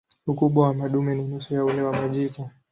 Ukubwa wa madume ni nusu ya ule wa majike.